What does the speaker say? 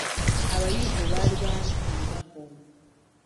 Abayivu baali bangi ku lunaku olwo.